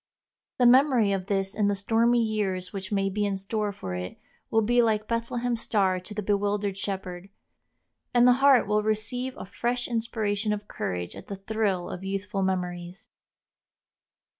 The memory of this in the stormy years which may be in store for it will be like Bethlehem's star to the bewildered shepherd, and the heart will receive a fresh inspiration of courage at the thrill of youthful memories.